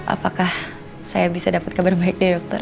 apakah saya bisa dapat kabar baik dari dokter